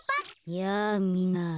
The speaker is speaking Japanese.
やあみんな。